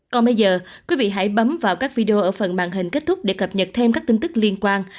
còn bây giờ quý vị hãy bấm vào các video ở phần màn hình kết thúc để cập nhật thêm các tin tức liên quan